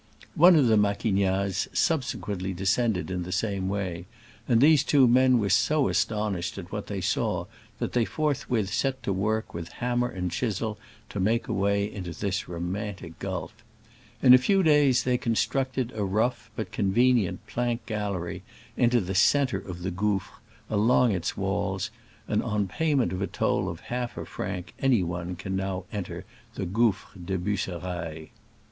One of the Maquignazes subsequently de scended in the same way, and these two men were so astonished at what they saw that they forthwith set to work with hammer and chisel to make a way into this romantic gulf. In a few days they constructed a rough but convenient plank gallery into the centre of the gouffre, along its walls, and on pay ment of a toll of half a franc any one can now enter the GK)uffre des Bus serailles.